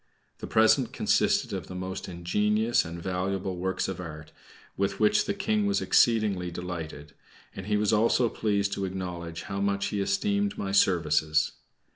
The present consisted of the most ingenious and valuable works of art, with which the King was exceedingly delighted, and he was also pleased to acknowledge how much he esteemed my services.